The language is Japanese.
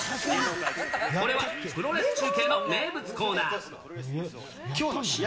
これはプロレス中継の名物コきょうの試合